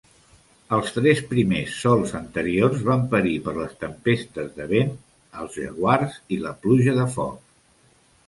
Els tres primers sols anteriors van perir per les tempestes de vent, els jaguars i la pluja de foc.